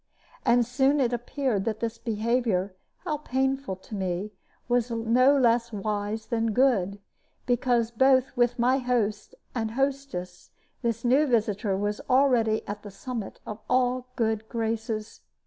And soon it appeared that this behavior, however painful to me, was no less wise than good, because both with my host and hostess this new visitor was already at the summit of all good graces.